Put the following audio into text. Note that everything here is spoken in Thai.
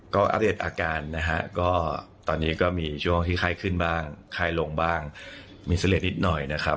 ก็อัปเดตอาการนะฮะก็ตอนนี้ก็มีช่วงที่ไข้ขึ้นบ้างไข้ลงบ้างมีเสลดนิดหน่อยนะครับ